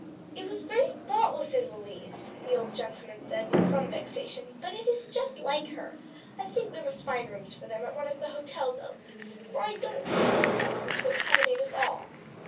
"It was very thoughtless in Louise," the old gentleman said with some vexation, "but it is just like her. I think we must find rooms for them at one of the hotels, Elsie; for I don't see how your house is to accommodate us all."